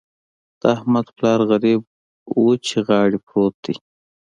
د احمد پلار غريب وچې غاړې پروت دی.